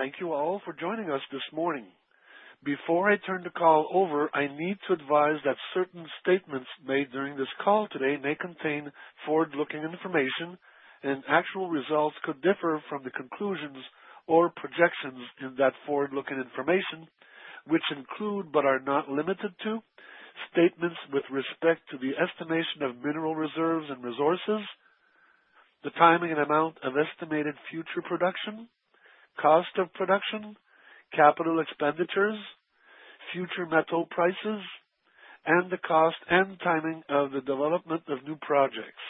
Thank you all for joining us this morning. Before I turn the call over, I need to advise that certain statements made during this call today may contain forward-looking information, and actual results could differ from the conclusions or projections in that forward-looking information, which include but are not limited to: statements with respect to the estimation of Mineral Reserves and Resources, the timing and amount of estimated future production, cost of production, capital expenditures, future metal prices, and the cost and timing of the development of new projects.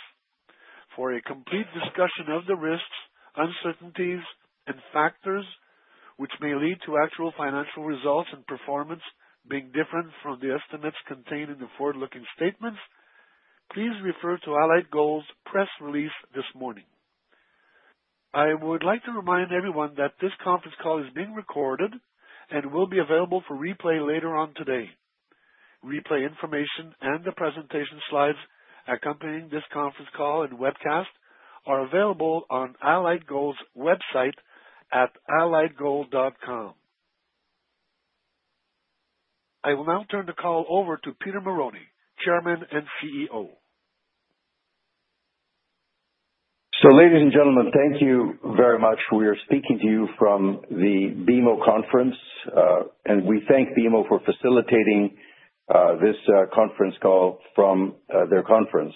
For a complete discussion of the risks, uncertainties, and factors which may lead to actual financial results and performance being different from the estimates contained in the forward-looking statements, please refer to Allied Gold's press release this morning. I would like to remind everyone that this conference call is being recorded and will be available for replay later on today. Replay information and the presentation slides accompanying this conference call and webcast are available on Allied Gold's website at alliedgold.com. I will now turn the call over to Peter Marrone, Chairman and CEO. Ladies and gentlemen, thank you very much. We are speaking to you from the BMO conference, and we thank BMO for facilitating this conference call from their conference.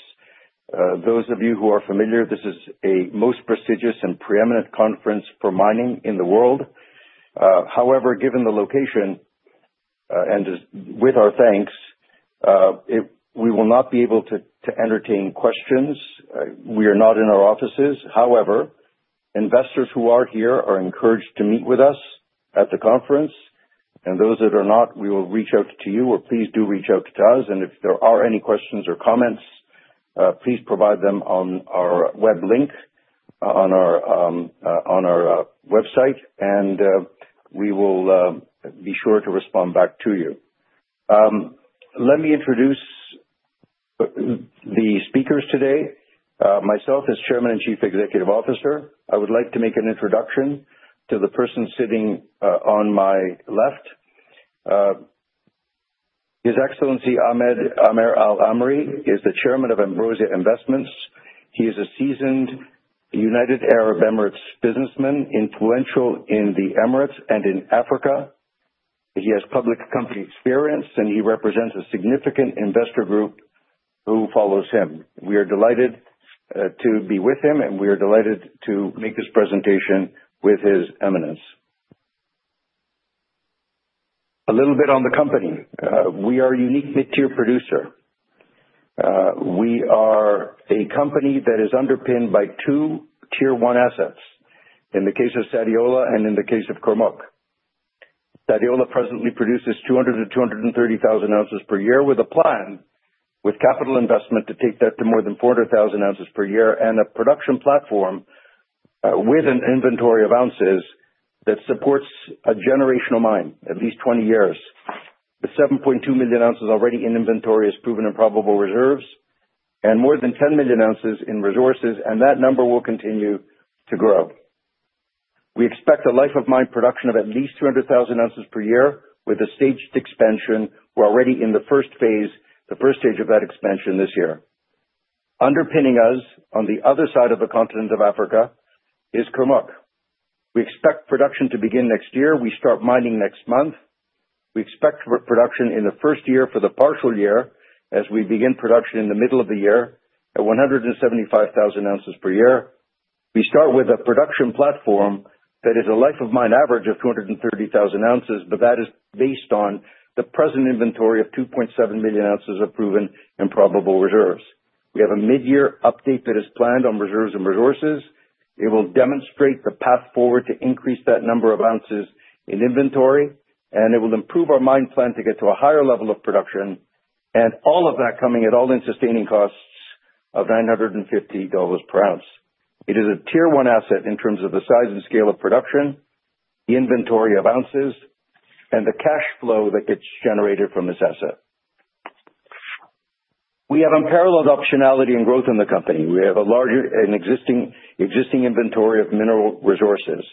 Those of you who are familiar, this is a most prestigious and preeminent conference for mining in the world. However, given the location and with our thanks, we will not be able to entertain questions. We are not in our offices. However, investors who are here are encouraged to meet with us at the conference, and those that are not, we will reach out to you, or please do reach out to us. If there are any questions or comments, please provide them on our web link on our website, and we will be sure to respond back to you. Let me introduce the speakers today. Myself as Chairman and Chief Executive Officer, I would like to make an introduction to the person sitting on my left. His Excellency Ahmed Amer Al-Amri is the Chairman of Ambrosia Investments. He is a seasoned United Arab Emirates businessman, influential in the Emirates and in Africa. He has public company experience, and he represents a significant investor group who follows him. We are delighted to be with him, and we are delighted to make this presentation with His Excellency. A little bit on the company. We are a unique mid-tier producer. We are a company that is underpinned by two Tier One assets in the case of Sadiola and in the case of Kurmuk. Sadiola presently produces 200,000 to 230,000 ounces per year with a plan with capital investment to take that to more than 400,000 ounces per year and a production platform with an inventory of ounces that supports a generational mine at least 20 years. The 7.2 million ounces already in inventory is Proven and Probable Reserves and more than 10 million ounces in resources, and that number will continue to grow. We expect a life-of-mine production of at least 200,000 ounces per year with a staged expansion. We're already in the first phase, the first stage of that expansion this year. Underpinning us on the other side of the continent of Africa is Kurmuk. We expect production to begin next year. We start mining next month. We expect production in the first year for the partial year as we begin production in the middle of the year at 175,000 ounces per year. We start with a production platform that is a life-of-mine average of 230,000 ounces, but that is based on the present inventory of 2.7 million ounces of Proven and Probable Reserves. We have a mid-year update that is planned on reserves and resources. It will demonstrate the path forward to increase that number of ounces in inventory, and it will improve our mine plan to get to a higher level of production, and all of that coming at All-In Sustaining Costs of $950 per ounce. It is a Tier One asset in terms of the size and scale of production, the inventory of ounces, and the cash flow that gets generated from this asset. We have unparalleled optionality and growth in the company. We have an existing inventory of mineral resources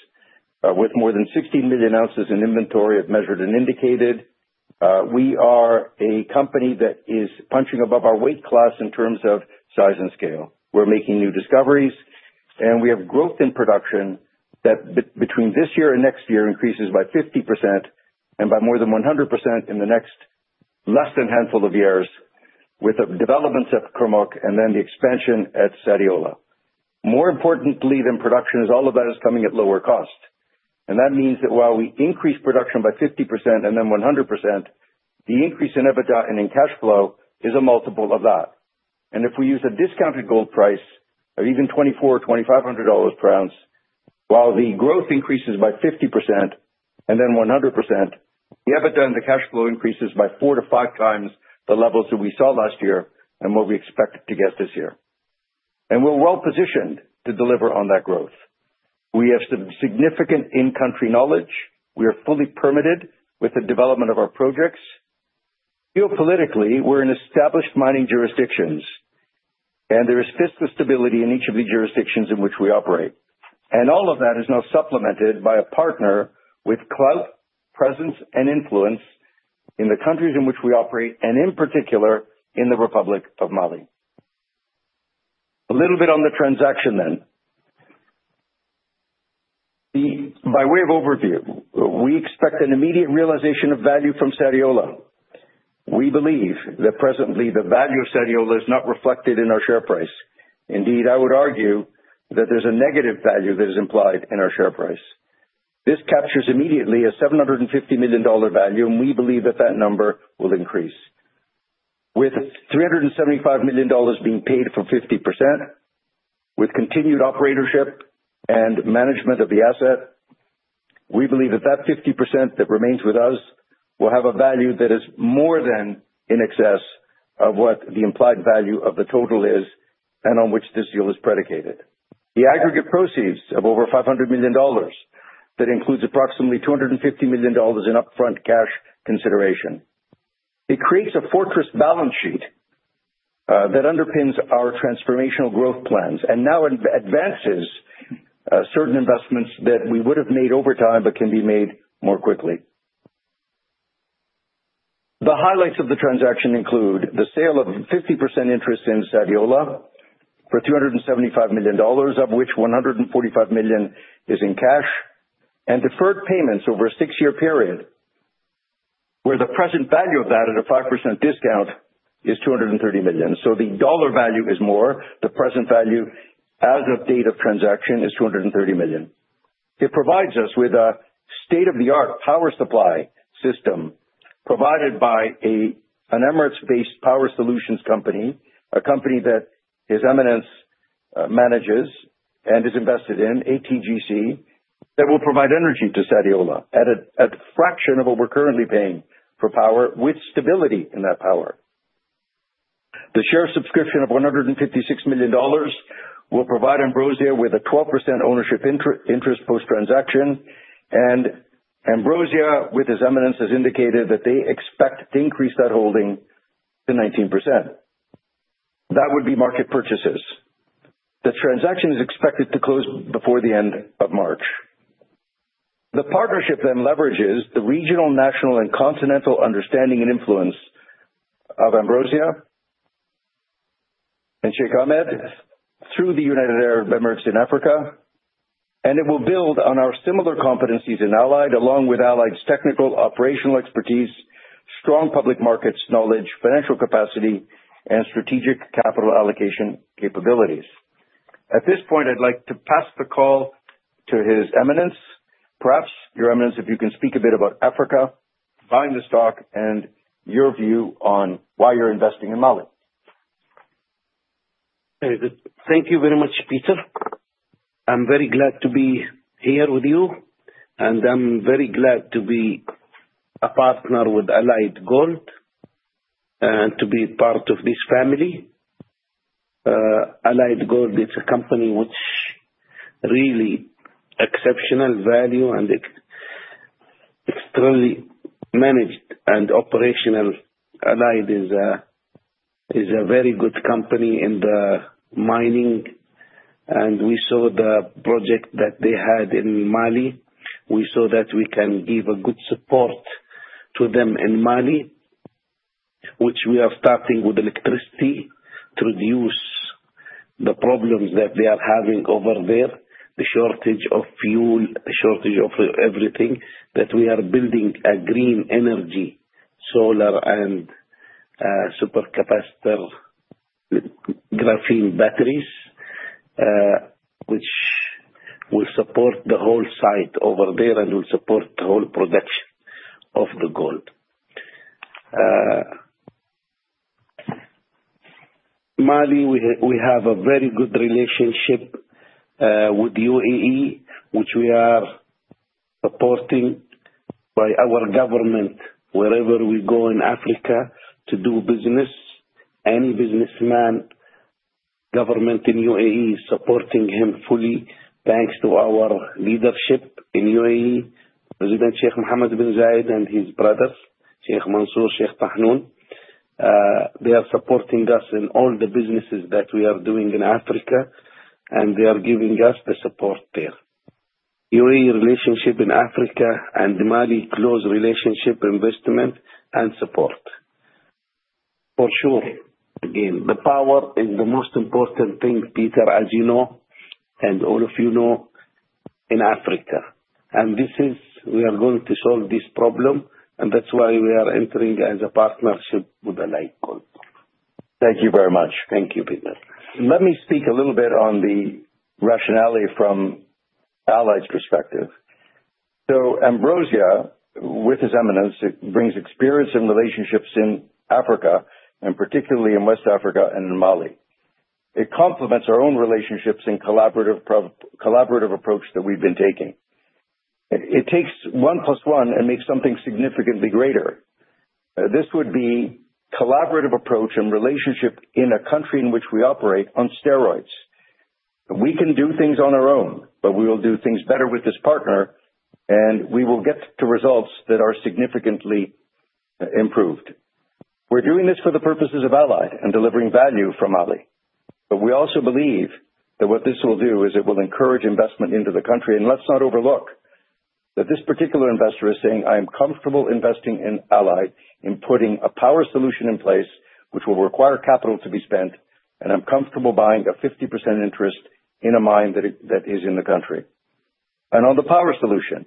with more than 16 million ounces in inventory as Measured and Indicated. We are a company that is punching above our weight class in terms of size and scale. We're making new discoveries, and we have growth in production that between this year and next year increases by 50% and by more than 100% in the next less than handful of years with developments at Kurmuk and then the expansion at Sadiola. More importantly than production, all of that is coming at lower cost, and that means that while we increase production by 50% and then 100%, the increase in EBITDA and in cash flow is a multiple of that. If we use a discounted gold price of even $2,400 or $2,500 per ounce, while the growth increases by 50% and then 100%, the EBITDA and the cash flow increases by four to five times the levels that we saw last year and what we expect to get this year. We're well positioned to deliver on that growth. We have some significant in-country knowledge. We are fully permitted with the development of our projects. Geopolitically, we're in established mining jurisdictions, and there is fiscal stability in each of the jurisdictions in which we operate. All of that is now supplemented by a partner with clout, presence, and influence in the countries in which we operate, and in particular in the Republic of Mali. A little bit on the transaction then. By way of overview, we expect an immediate realization of value from Sadiola. We believe that presently the value of Sadiola is not reflected in our share price. Indeed, I would argue that there's a negative value that is implied in our share price. This captures immediately a $750 million value, and we believe that that number will increase. With $375 million being paid for 50%, with continued operatorship and management of the asset, we believe that that 50% that remains with us will have a value that is more than in excess of what the implied value of the total is and on which this deal is predicated. The aggregate proceeds of over $500 million that includes approximately $250 million in upfront cash consideration. It creates a fortress balance sheet that underpins our transformational growth plans and now advances certain investments that we would have made over time but can be made more quickly. The highlights of the transaction include the sale of 50% interest in Sadiola for $275 million, of which $145 million is in cash, and deferred payments over a six-year period where the present value of that at a 5% discount is $230 million, so the dollar value is more. The present value as of date of transaction is $230 million. It provides us with a state-of-the-art power supply system provided by an Emirates-based power solutions company, a company that His Excellency manages and is invested in, ATGC, that will provide energy to Sadiola at a fraction of what we're currently paying for power with stability in that power. The share subscription of $156 million will provide Ambrosia with a 12% ownership interest post-transaction, and Ambrosia, with His Excellency, has indicated that they expect to increase that holding to 19%. That would be market purchases. The transaction is expected to close before the end of March. The partnership then leverages the regional, national, and continental understanding and influence of Ambrosia and Sheikh Ahmed through the United Arab Emirates in Africa, and it will build on our similar competencies in Allied along with Allied's technical operational expertise, strong public markets knowledge, financial capacity, and strategic capital allocation capabilities. At this point, I'd like to pass the call to His Excellency, perhaps Your Excellency, if you can speak a bit about Africa, buying the stock, and your view on why you're investing in Mali. Okay. Thank you very much, Peter. I'm very glad to be here with you, and I'm very glad to be a partner with Allied Gold and to be part of this family. Allied Gold is a company which really exceptional value and extremely managed and operational. Allied is a very good company in the mining, and we saw the project that they had in Mali. We saw that we can give a good support to them in Mali, which we are starting with electricity to reduce the problems that they are having over there, the shortage of fuel, the shortage of everything. That we are building a green energy, solar, and supercapacitor graphene batteries which will support the whole site over there and will support the whole production of the gold. Mali, we have a very good relationship with UAE, which we are supporting by our government wherever we go in Africa to do business. Any businessman, government in UAE is supporting him fully thanks to our leadership in UAE, President Sheikh Mohammed bin Zayed and his brothers, Sheikh Mansour, Sheikh Tahnoun. They are supporting us in all the businesses that we are doing in Africa, and they are giving us the support there. UAE relationship in Africa and Mali close relationship, investment, and support. For sure, again, the power is the most important thing, Peter, as you know, and all of you know, in Africa. And this is we are going to solve this problem, and that's why we are entering as a partnership with Allied Gold. Thank you very much. Thank you, Peter. Let me speak a little bit on the rationale from Allied's perspective, so Ambrosia, with His Excellency, brings experience and relationships in Africa, and particularly in West Africa and in Mali. It complements our own relationships and collaborative approach that we've been taking. It takes one plus one and makes something significantly greater. This would be collaborative approach and relationship in a country in which we operate on steroids. We can do things on our own, but we will do things better with this partner, and we will get to results that are significantly improved. We're doing this for the purposes of Allied and delivering value from Mali, but we also believe that what this will do is it will encourage investment into the country. And let's not overlook that this particular investor is saying, "I am comfortable investing in Allied in putting a power solution in place which will require capital to be spent, and I'm comfortable buying a 50% interest in a mine that is in the country." And on the power solution,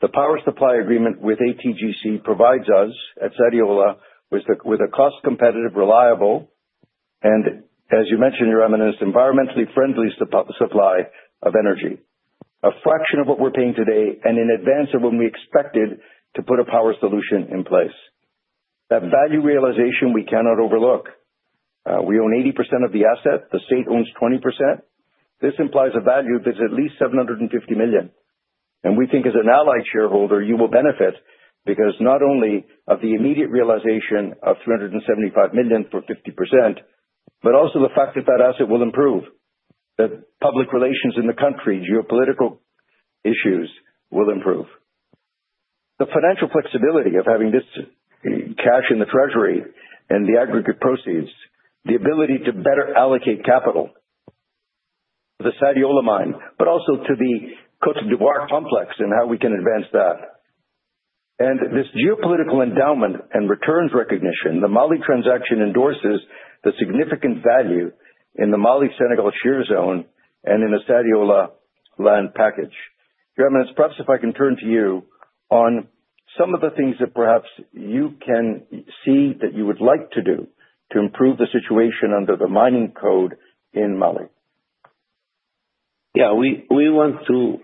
the power supply agreement with ATGC provides us at Sadiola with a cost-competitive, reliable, and as you mentioned, Your Eminence, environmentally friendly supply of energy, a fraction of what we're paying today and in advance of when we expected to put a power solution in place. That value realization we cannot overlook. We own 80% of the asset. The state owns 20%. This implies a value that's at least $750 million. And we think as an Allied shareholder, you will benefit because not only of the immediate realization of $375 million for 50%, but also the fact that that asset will improve, that public relations in the country, geopolitical issues will improve. The financial flexibility of having this cash in the treasury and the aggregate proceeds, the ability to better allocate capital to the Sadiola mine, but also to the Côte d'Ivoire complex and how we can advance that. And this geopolitical endowment and returns recognition, the Mali transaction endorses the significant value in the Mali-Senegal Shear Zone and in the Sadiola land package. Your eminence, perhaps if I can turn to you on some of the things that perhaps you can see that you would like to do to improve the situation under the mining code in Mali. Yeah. We want to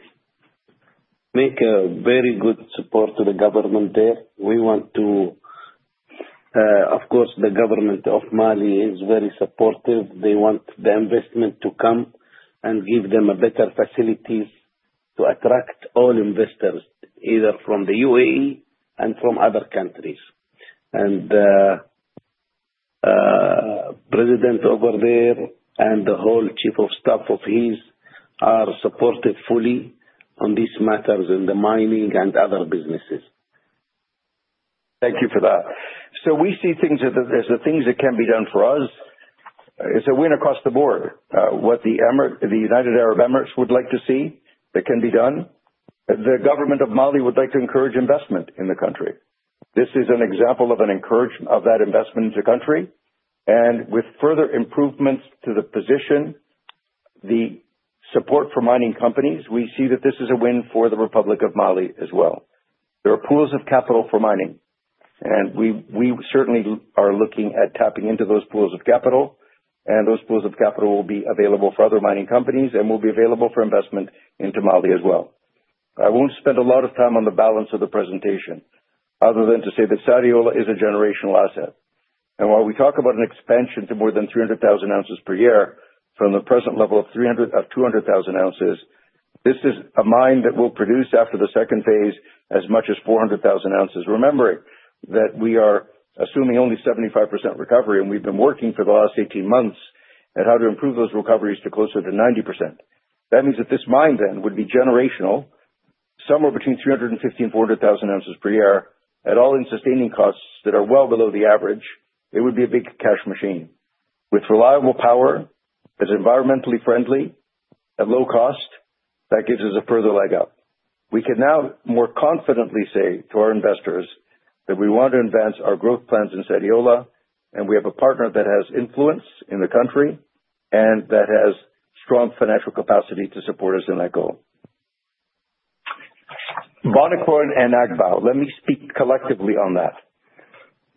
make a very good support to the government there. We want to, of course. The government of Mali is very supportive. They want the investment to come and give them better facilities to attract all investors, either from the UAE and from other countries, and the president over there and the whole chief of staff of his are supported fully on these matters in the mining and other businesses. Thank you for that. So we see things as the things that can be done for us. It's a win across the board. What the United Arab Emirates would like to see, that can be done. The government of Mali would like to encourage investment in the country. This is an example of an encouragement of that investment in the country, and with further improvements to the position, the support for mining companies, we see that this is a win for the Republic of Mali as well. There are pools of capital for mining, and we certainly are looking at tapping into those pools of capital, and those pools of capital will be available for other mining companies and will be available for investment into Mali as well. I won't spend a lot of time on the balance of the presentation other than to say that Sadiola is a generational asset, and while we talk about an expansion to more than 300,000 ounces per year from the present level of 200,000 ounces, this is a mine that will produce after the second phase as much as 400,000 ounces. Remember that we are assuming only 75% recovery, and we've been working for the last 18 months at how to improve those recoveries to closer to 90%. That means that this mine then would be generational, somewhere between 350,000-400,000 ounces per year, at All-In Sustaining Costs that are well below the average. It would be a big cash machine. With reliable power, it's environmentally friendly at low cost. That gives us a further leg up. We can now more confidently say to our investors that we want to advance our growth plans in Sadiola, and we have a partner that has influence in the country and that has strong financial capacity to support us in that goal. Bonikro and Agbaou, let me speak collectively on that.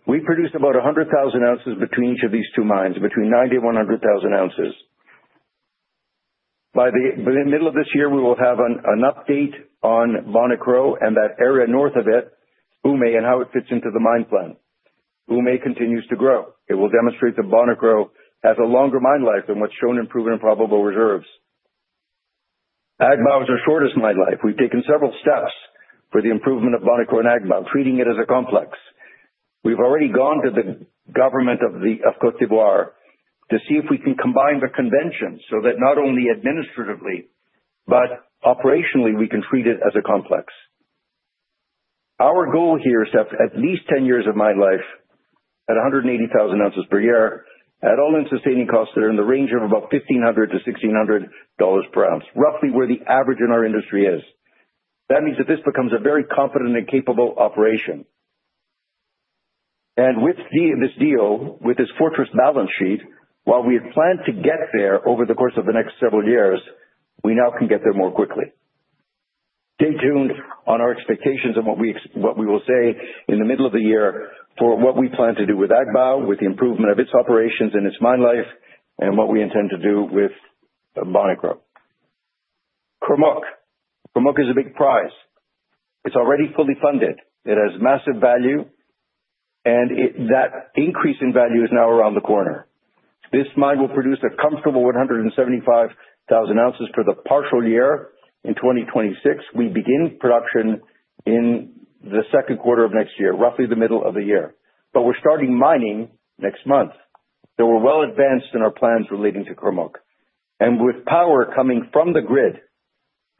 We produce about 100,000 ounces between each of these two mines, between 90,000 and 100,000 ounces. By the middle of this year, we will have an update on Bonikro and that area north of it, Oumé, and how it fits into the mine plan. Oumé continues to grow. It will demonstrate that Bonikro has a longer mine life than what's shown in Proven and Probable Reserves. Agbaou is our shortest mine life. We've taken several steps for the improvement of Bonikro and Agbaou, treating it as a complex. We've already gone to the government of Côte d'Ivoire to see if we can combine the conventions so that not only administratively, but operationally, we can treat it as a complex. Our goal here is to have at least 10 years of mine life at 180,000 ounces per year, at All-In Sustaining Costs that are in the range of about $1,500-$1,600 per ounce, roughly where the average in our industry is. That means that this becomes a very competent and capable operation. With this deal, with this fortress balance sheet, while we had planned to get there over the course of the next several years, we now can get there more quickly. Stay tuned on our expectations and what we will say in the middle of the year for what we plan to do with Agbaou, with the improvement of its operations and its mine life, and what we intend to do with Bonikro. Kurmuk. Kurmuk is a big prize. It's already fully funded. It has massive value, and that increase in value is now around the corner. This mine will produce a comfortable 175,000 ounces for the partial year in 2026. We begin production in the second quarter of next year, roughly the middle of the year, but we're starting mining next month. So we're well advanced in our plans relating to Kurmuk. And with power coming from the grid,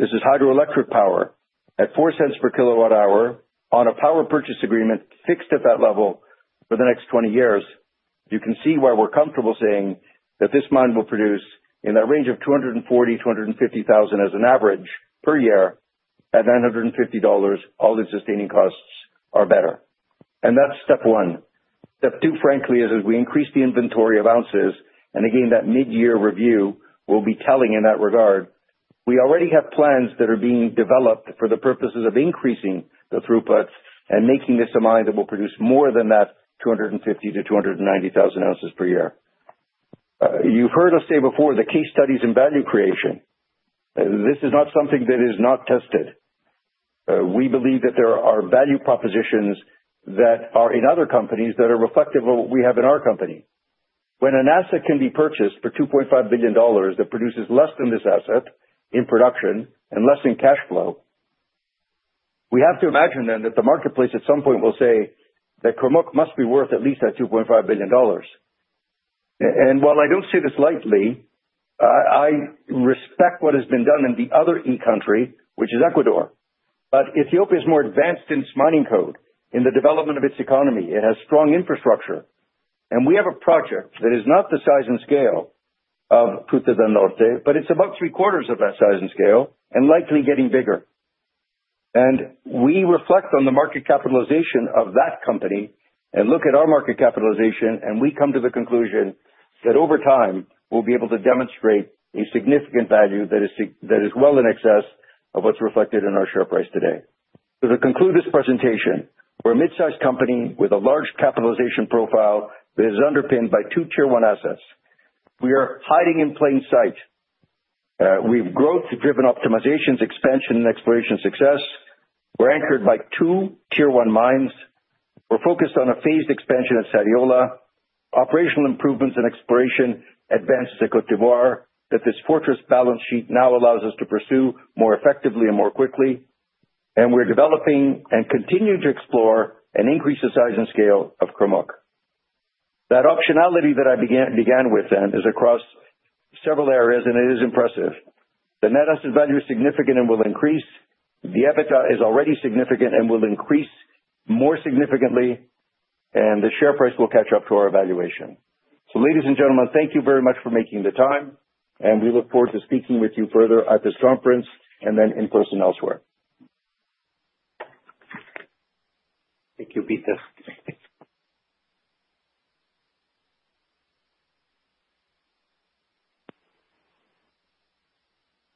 this is hydroelectric power at $0.04 per kilowatt-hour on a power purchase agreement fixed at that level for the next 20 years. You can see why we're comfortable saying that this mine will produce in that range of 240,000-250,000 as an average per year at $950 All-In Sustaining Costs are better, and that's step one. Step two, frankly, is as we increase the inventory of ounces, and again, that mid-year review will be telling in that regard. We already have plans that are being developed for the purposes of increasing the throughput and making this a mine that will produce more than that 250,000-290,000 ounces per year. You've heard us say before the case studies and value creation. This is not something that is not tested. We believe that there are value propositions that are in other companies that are reflective of what we have in our company. When an asset can be purchased for $2.5 billion that produces less than this asset in production and less in cash flow, we have to imagine then that the marketplace at some point will say that Kurmuk must be worth at least that $2.5 billion, and while I don't see this lightly, I respect what has been done in the other E-country, which is Ecuador, but Ethiopia is more advanced in its mining code, in the development of its economy. It has strong infrastructure, and we have a project that is not the size and scale of Fruta del Norte, but it's about three-quarters of that size and scale and likely getting bigger. We reflect on the market capitalization of that company and look at our market capitalization, and we come to the conclusion that over time, we'll be able to demonstrate a significant value that is well in excess of what's reflected in our share price today. To conclude this presentation, we're a mid-sized company with a large capitalization profile that is underpinned by two Tier I assets. We are hiding in plain sight. We have growth-driven optimizations, expansion, and exploration success. We're anchored by two Tier I mines. We're focused on a phased expansion at Sadiola. Operational improvements and exploration advance to Côte d'Ivoire that this fortress balance sheet now allows us to pursue more effectively and more quickly. We're developing and continuing to explore and increase the size and scale of Kurmuk. That optionality that I began with then is across several areas, and it is impressive. The net asset value is significant and will increase. The EBITDA is already significant and will increase more significantly, and the share price will catch up to our evaluation, so ladies and gentlemen, thank you very much for making the time, and we look forward to speaking with you further at this conference and then in person elsewhere. Thank you, Peter.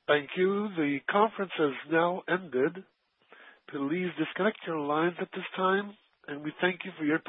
Thank you. The conference has now ended. Please disconnect your lines at this time, and we thank you for your.